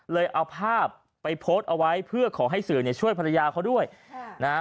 เอาภาพไปโพสต์เอาไว้เพื่อขอให้สื่อเนี่ยช่วยภรรยาเขาด้วยนะฮะ